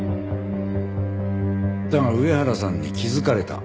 だが上原さんに気づかれた。